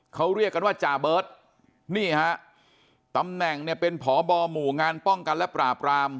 เขาเรียกกันว่าจาเบิร์ตนี่ฮะตำแหน่งเนี่ยเป็นพบหมู่งานป้องกันและปราบราม